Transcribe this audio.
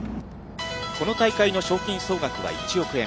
この大会の賞金総額は１億円。